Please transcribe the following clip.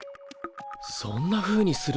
そんなふうにするのか！